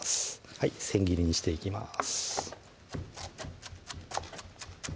はい千切りにしていきます